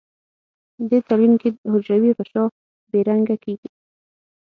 دې تلوین کې حجروي غشا بې رنګه کیږي.